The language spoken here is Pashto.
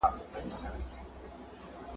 ځینو سپین ږیرو پر دې اختلاف درلود.